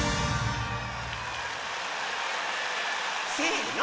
せの！